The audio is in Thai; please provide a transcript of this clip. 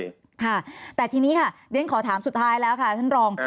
ค่ะแต่ทีนี้ค่ะเรียนขอถามสุดท้ายแล้วค่ะท่านรอง